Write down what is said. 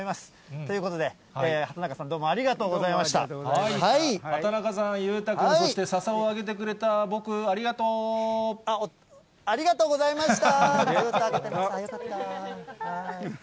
ということで、畑中さん、どうもどうもありがとうございまし畑中さん、裕太君、そしてさありがとうございました。